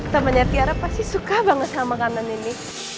temennya tiara pasti suka banget sama kanan ini